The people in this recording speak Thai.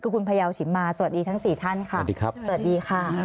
คุณพยาวชิมมาสวัสดีทั้ง๔ท่านค่ะสวัสดีค่ะ